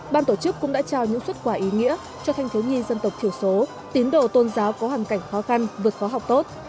ban tổ chức cũng đã trao những xuất quả ý nghĩa cho thanh thiếu nhi dân tộc thiểu số tín đồ tôn giáo có hoàn cảnh khó khăn vượt khó học tốt